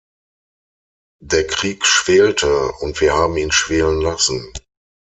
Der Krieg schwelte, und wir haben ihn schwelen lassen.